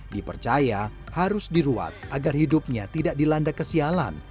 dipercaya harus diruat agar hidupnya tidak dilanda kesialan